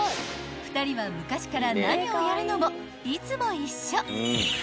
［２人は昔から何をやるのもいつも一緒］